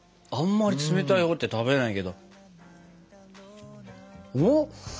あんまり冷たいのって食べないけど。